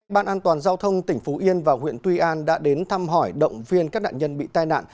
ban an toàn giao thông tỉnh phú yên và huyện tuy an đã đến thăm hỏi động viên các nạn nhân bị tai nạn